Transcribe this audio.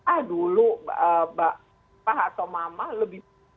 ah dulu bapak atau mama lebih